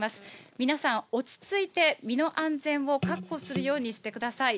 皆さん、落ち着いて、身の安全を確保するようにしてください。